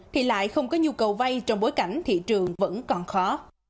thì lại không có nhu cầu vay trong bối cảnh thị trường vẫn còn khó